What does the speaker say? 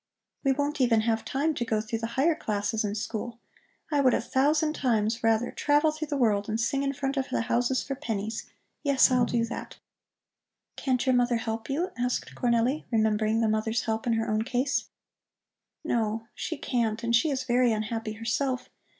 We won't even have time to go through the higher classes in school. I would a thousand times rather travel through the world and sing in front of the houses for pennies yes, I'll do that!" "Can't your mother help you?" asked Cornelli, remembering the mother's help in her own case. "No, she can't; and she is very unhappy herself.